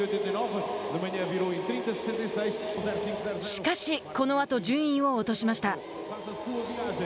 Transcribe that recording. しかし、このあと順位を落としました。